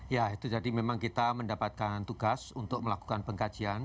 ya itu jadi memang kita mendapatkan tugas untuk melakukan pengkajian